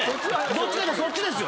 ⁉どっちかいうたらそっちですよ。